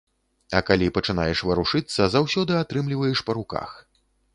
А калі пачынаеш варушыцца, заўсёды атрымліваеш па руках.